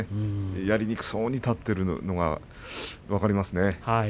やりにくそうに立っているのが分かりますね。